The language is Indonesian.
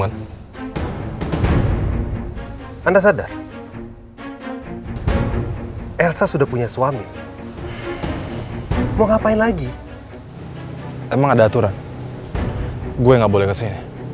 anda sadar elsa sudah punya suami mau ngapain lagi emang ada aturan gue nggak boleh kesini